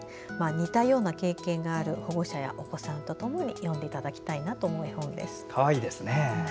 似たような経験がある保護者やお子さんとともに読んでいただきたい絵本です。